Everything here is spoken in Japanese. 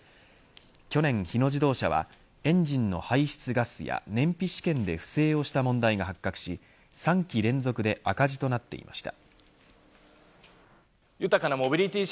去年、日野自動車はエンジンの排出ガスや燃費試験で不正をした問題が発覚し３期連続で赤字となっていました。